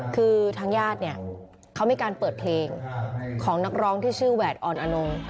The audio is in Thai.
คือทางญาติเนี่ยเขามีการเปิดเพลงของนักร้องที่ชื่อแหวดอ่อนอนง